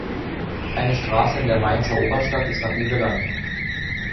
Eine Straße in der Mainzer Oberstadt ist nach ihm benannt.